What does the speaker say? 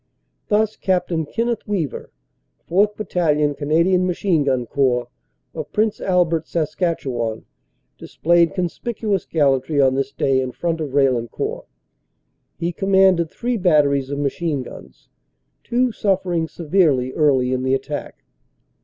Thus, Capt. Kenneth Weaver, 4th. Battalion, Cana dian M. G. Corps, of Prince Albert, Sask., displayed conspic uous gallantry on this day in front of Raillencourt. He com manded three batteries of machine guns, two suffering severely early in the attack.